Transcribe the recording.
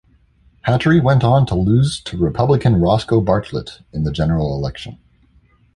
Hattery went on to lose to Republican Roscoe Bartlett in the general election.